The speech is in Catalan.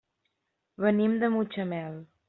Venim de Mutxamel.